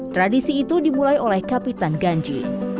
tradisi itu dimulai oleh kapitan ganji